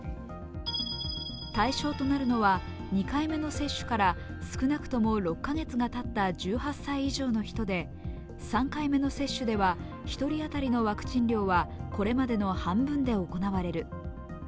対象となるのは２回目の接種から少なくとも６カ月がたった１８歳以上の人で３回目の接種では１人当たりのワクチン量はこれまでの半分で行われる。